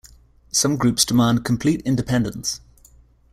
Some groups demand complete independence.